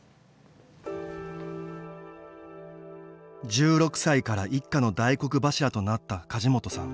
１６歳から一家の大黒柱となった梶本さん。